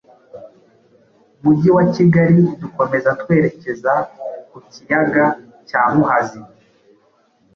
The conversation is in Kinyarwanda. Mujyi wa Kigali dukomeza twerekeza ku Kiyaga cya Muhazi.